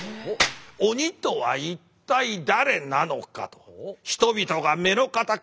鬼とは一体誰なのかと。